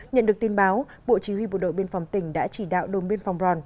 nhận được tin báo bộ chỉ huy bộ đội biên phòng tỉnh đã chỉ đạo đồng biên phòng ron